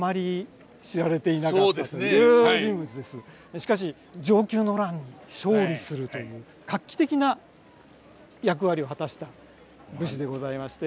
しかし承久の乱で勝利するという画期的な役割を果たした武士でございまして。